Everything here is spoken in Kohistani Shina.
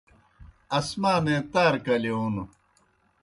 اسمانے تارہ کلِیون